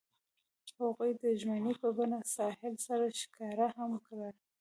هغوی د ژمنې په بڼه ساحل سره ښکاره هم کړه.